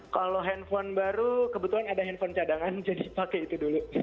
kalau handphone baru kebetulan ada handphone cadangan jadi pakai itu dulu